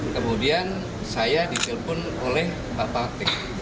kemudian saya ditelepon oleh pak patik